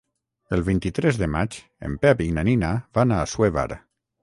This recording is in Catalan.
El vint-i-tres de maig en Pep i na Nina van a Assuévar.